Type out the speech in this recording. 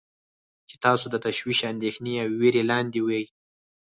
چې تاسو د تشویش، اندیښنې او ویرې لاندې وی.